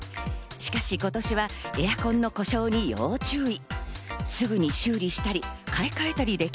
しかし今年はエアコンの故障に要注意。